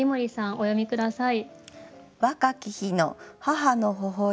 お読み下さい。